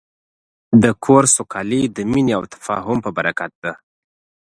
د کور سوکالي د مینې او تفاهم په برکت ده.